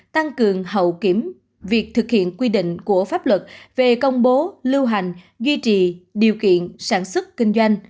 tăng cường hậu kiểm việc thực hiện quy định của pháp luật về công bố lưu hành duy trì điều kiện sản xuất kinh doanh